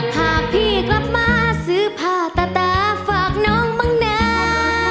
หากพี่กลับมาซื้อผ้าตาตาฝากน้องบ้างนะ